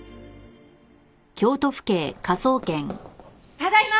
ただいま！